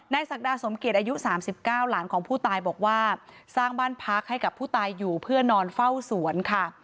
ศักดาสมเกียจอายุ๓๙หลานของผู้ตายบอกว่าสร้างบ้านพักให้กับผู้ตายอยู่เพื่อนอนเฝ้าสวนค่ะ